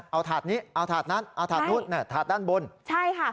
เอาถาดนี้เอาถาดนั้นเอาถาดนู้นถาดด้านบนใช่ค่ะ